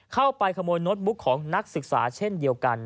เข้าไปขโมยโน้ตบุ๊กของนักศึกษาเช่นเดียวกัน